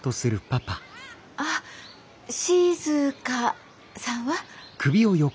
あ静さんは？